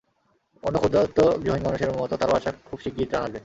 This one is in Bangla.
অন্য ক্ষুধার্ত, গৃহহীন মানুষের মতো তাঁরও আশা, খুব শিগগির ত্রাণ আসবে।